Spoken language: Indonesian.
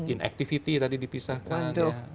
inactivity tadi dipisahkan